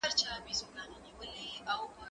زه مخکي مځکي ته کتلې وې،